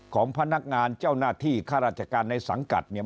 ของพนักงานเจ้าหน้าที่ข้าราชการในสังกัดเนี่ย